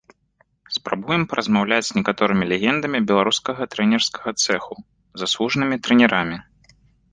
Спрабуем паразмаўляць з некаторымі легендамі беларускага трэнерскага цэху, заслужанымі трэнерамі.